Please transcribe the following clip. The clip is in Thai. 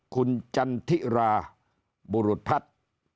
คุณจันทิราบุรุษพัฒน์